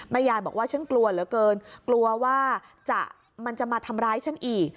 ยายบอกว่าฉันกลัวเหลือเกินกลัวว่ามันจะมาทำร้ายฉันอีก